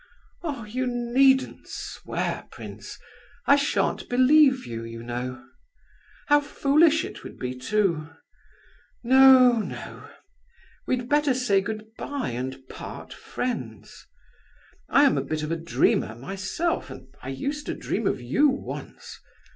Oh! you needn't swear, prince, I shan't believe you, you know. How foolish it would be, too! No, no; we'd better say good bye and part friends. I am a bit of a dreamer myself, and I used to dream of you once.